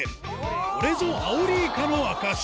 これぞアオリイカの証し